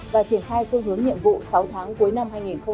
và triển khai phương hướng nhiệm vụ sáu tháng cuối năm hai nghìn hai mươi